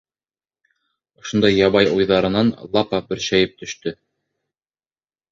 Ошондай ябай уйҙарынан Лапа бөршәйеп төштө.